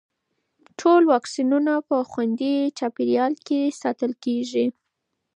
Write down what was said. ټول واکسینونه په خوندي چاپېریال کې ساتل کېږي.